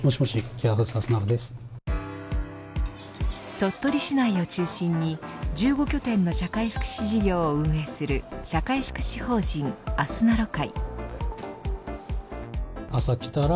鳥取市内を中心に１５拠点の社会福祉事業を運営する社会福祉法人あすなろ会。